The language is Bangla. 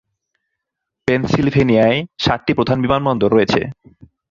পেনসিলভেনিয়ায় সাতটি প্রধান বিমানবন্দর রয়েছে।